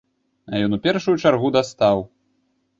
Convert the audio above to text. А ён у першую чаргу дастаў.